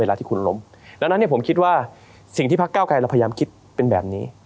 เวลาที่คุณลงแล้วผมคิดว่าสิ่งที่ภาคเกล้าไก่เรากำลังทรีย์เป็นแบบนี้